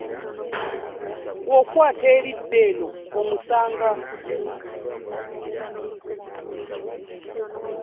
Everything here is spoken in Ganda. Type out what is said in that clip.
Bw'okwata eridda eno omusanga.